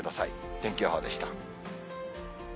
天気予報でした。